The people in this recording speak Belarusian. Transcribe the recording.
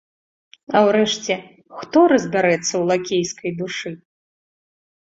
А ўрэшце, хто разбярэцца ў лакейскай душы?